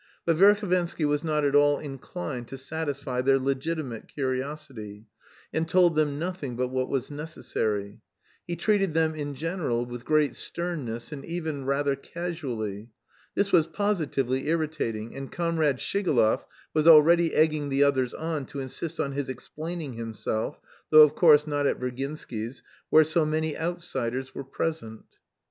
But Verhovensky was not at all inclined to satisfy their legitimate curiosity, and told them nothing but what was necessary; he treated them in general with great sternness and even rather casually. This was positively irritating, and Comrade Shigalov was already egging the others on to insist on his "explaining himself," though, of course, not at Virginsky's, where so many outsiders were present.